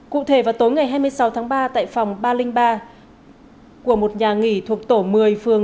cụ thể vào tối ngày hai mươi sáu tháng ba tại phòng ba trăm linh ba của một nhà nghỉ thuộc tổ một mươi phường